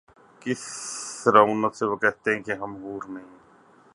کس رعونت سے وہ کہتے ہیں کہ ’’ ہم حور نہیں ‘‘